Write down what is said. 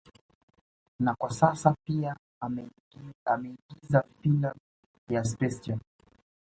Na kwa sasa pia ameigiza filamu ya SpaceJam